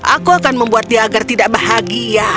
aku akan membuat dia agar tidak bahagia